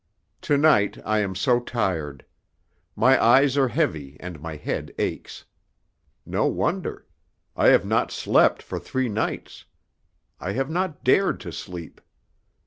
To night I am so tired. My eyes are heavy and my head aches. No wonder. I have not slept for three nights. I have not dared to sleep.